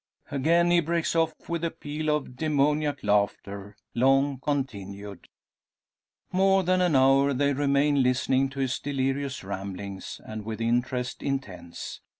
Again he breaks off with a peal of demoniac laughter, long continued. More than an hour they remain listening to his delirious ramblings, and with interest intense.